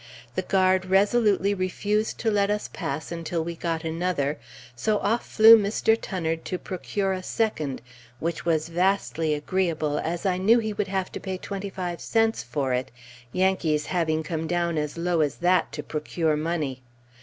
The guard resolutely refused to let us pass until we got another, so off flew Mr. Tunnard to procure a second which was vastly agreeable, as I knew he would have to pay twenty five cents for it, Yankees having come down as low as that, to procure money.